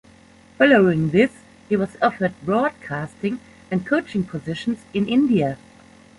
Following this he was offered broadcasting and coaching positions in India.